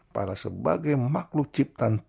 padahal sebagai makhluk ciptaan